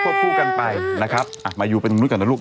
โคตรผู้กันไปมาอยู่ไปตรงนู้นก่อนนะลูก